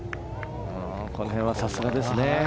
この辺はさすがですね。